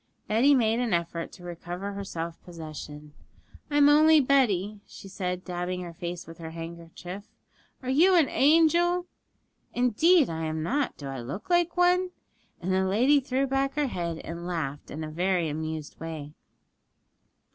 Betty made an effort to recover her self possession. 'I'm only Betty,' she said, dabbing her face with her handkerchief; 'are you an angel?' 'Indeed I am not; do I look like one?' And the lady threw back her head and laughed in a very amused way.